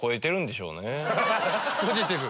ポジティブ！